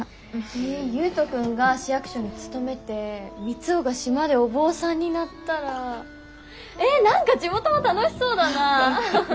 え悠人君が市役所に勤めて三生が島でお坊さんになったらえ何か地元も楽しそうだな！